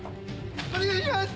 お願いします。